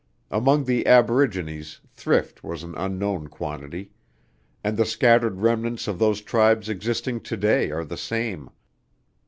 Among the aborigines thrift was an unknown quantity, and the scattered remnants of those tribes existing to day are the same.